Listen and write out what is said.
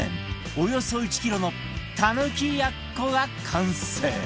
およそ１キロのたぬきやっこが完成